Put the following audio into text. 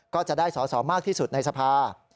ก็จะได้สอสอมากที่สุดในสภา